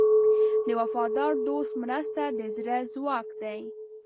د وفادار دوست مرسته د زړه ځواک دی.